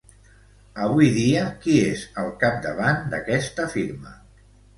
Avui dia, qui és al capdavant d'aquesta firma?